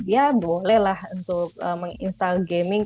ya bolehlah untuk menginstal gaming